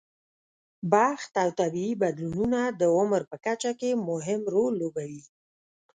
بخت او طبیعي بدلونونه د عمر په کچه کې مهم رول لوبوي.